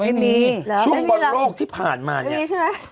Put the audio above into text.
ไม่มีรอบที่ผ่านมาเนี่ย